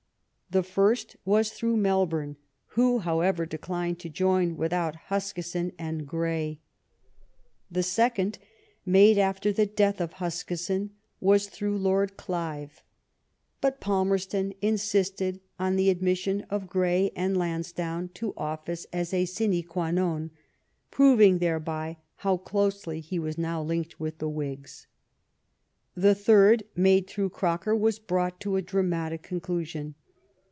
The first was through Melbourne, who, however, declined to join without Huskisson and Grey. The second, made after LOBD PALMEB8T0N AND TORYISM. 31 the death of Huskisson, was through Lord Glive ; hut Palmerston insisted on the admission of Grey and Lansdowne to oflSce as o/stne qtid wow,) proving thereby how closely he was now unked with the Whigs. The third, made through Croker, was brought to a dramatic •conclusion.